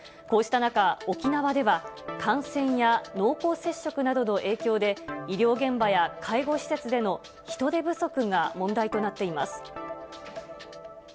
こうした中、沖縄では感染や濃厚接触などの影響で、医療現場や介護施設での人手不足が問題となっています。